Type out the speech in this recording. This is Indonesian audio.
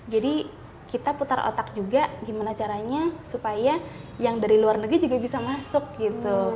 jadi kita putar otak juga gimana caranya supaya yang dari luar negeri juga bisa masuk gitu